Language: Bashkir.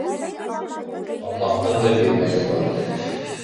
Алмаҡтың да бирмәге бар